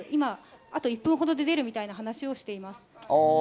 あと１分ほどで出るみたいな話をしています。